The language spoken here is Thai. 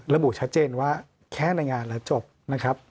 ระบุชัดเจนว่าแค่ในงานแล้วจบนะครับ